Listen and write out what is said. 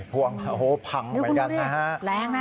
พวงโอ้โฮพังเหมือนกันนะฮะนี่คุณดูนี่แรงนะ